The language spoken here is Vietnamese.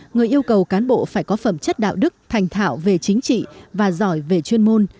người yêu cầu cán bộ phải có phẩm chất đạo đức thành thạo về chính trị và giỏi về chuyên môn